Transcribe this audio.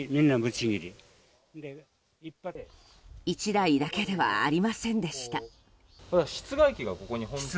１台だけではありませんでした。